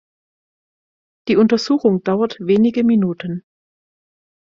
Die Untersuchung dauert wenige Minuten.